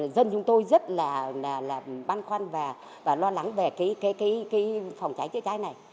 dân chúng tôi rất là băn khoăn và lo lắng về cái phòng cháy chữa cháy này